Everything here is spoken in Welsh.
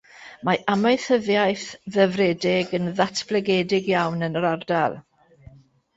Mae amaethyddiaeth ddyfredig yn ddatblygedig iawn yn yr ardal.